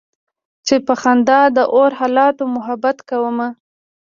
چې په خندا د اور حالاتو محبت کومه